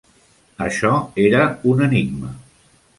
Això era un enigma.